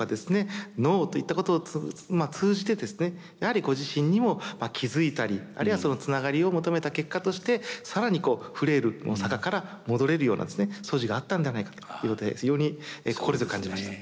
農といったことを通じてですねやはりご自身にも気付いたりあるいはそのつながりを求めた結果として更にフレイルの坂から戻れるような素地があったんではないかということで非常に心強く感じました。